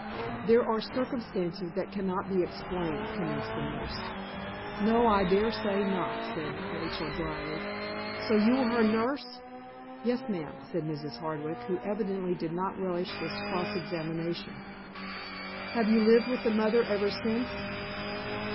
"There are circumstances that cannot be explained," commenced the nurse. "No, I dare say not," said Rachel, dryly. "So you were her nurse?" "Yes, ma'am," said Mrs. Hardwick, who evidently did not relish this cross examination. "Have you lived with the mother ever since?"